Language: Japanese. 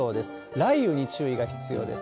雷雨に注意が必要です。